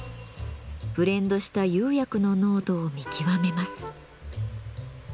ブレンドした釉薬の濃度を見極めます。